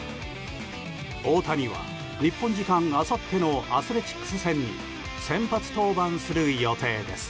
大谷は日本時間あさってのアスレチックス戦に先発登板する予定です。